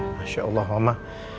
masya allah mama